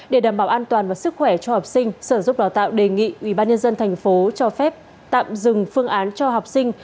để đảm bảo an toàn và sức khỏe cho học sinh sở giúp đào tạo đề nghị ubnd tp cho phép tạm dừng phương án cho học sinh